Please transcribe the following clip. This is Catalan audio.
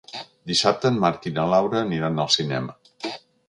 Dissabte en Marc i na Laura aniran al cinema.